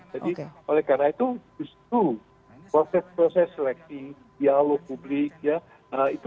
jadi oleh karena itu justru proses proses seleksi dialog publik ya itu